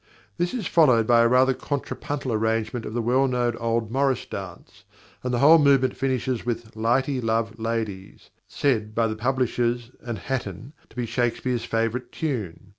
This is followed by a rather contrapuntal arrangement of the well known old morris dance, and the whole movement finishes with "Lightie Love Ladies," said by the publishers and Hatton to be "Shakespeare's favourite tune."